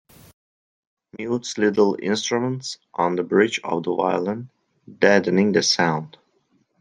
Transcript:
Mutes little instruments on the bridge of the violin, deadening the sound.